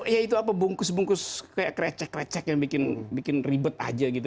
ya itu apa bungkus bungkus kayak krecek krecek yang bikin ribet aja gitu